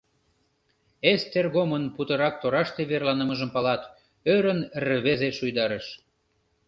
— Эстергомын путырак тораште верланымыжым палат, ӧрын рвезе шуйдарыш.